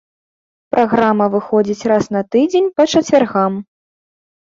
Праграма выходзіць раз на тыдзень па чацвяргам.